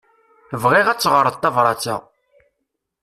Bɣiɣ ad teɣṛeḍ tabrat-a.